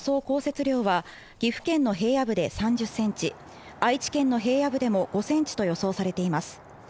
降雪量は岐阜県の平野部で３０ｃｍ、愛知県の平野部でも５ｃｍと予想されています。